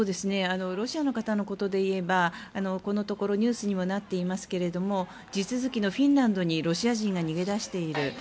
ロシアの方のことでいえばこのところニュースにもなっていますが地続きのフィンランドにロシア人が逃げ出している。